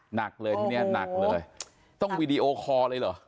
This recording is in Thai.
หนักเลยทีนี้หนักเลยต้องวีดีโอคอร์เลยเหรอ